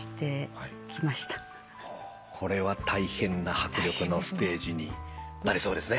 これは大変な迫力のステージになりそうですね。